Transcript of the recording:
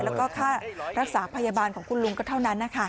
แล้วก็ค่ารักษาพยาบาลของคุณลุงก็เท่านั้นนะคะ